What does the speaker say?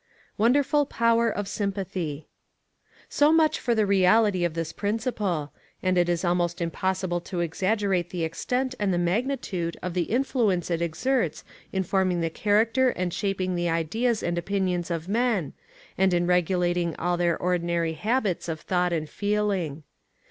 Wonderful Power of Sympathy. So much for the reality of this principle; and it is almost impossible to exaggerate the extent and the magnitude of the influence it exerts in forming the character and shaping the ideas and opinions of men, and in regulating all their ordinary habits of thought and feeling.